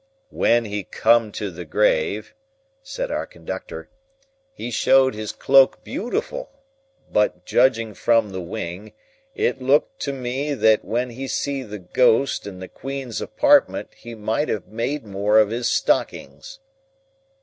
"When he come to the grave," said our conductor, "he showed his cloak beautiful. But, judging from the wing, it looked to me that when he see the ghost in the queen's apartment, he might have made more of his stockings."